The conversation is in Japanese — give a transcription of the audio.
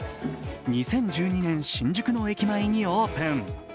２０１２年新宿の駅前にオープン。